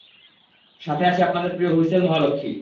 সাথে আছি আপনাদের প্রিয় হুইসেল মহালক্ষী।